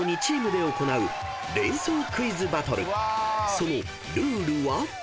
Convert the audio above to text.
［そのルールは］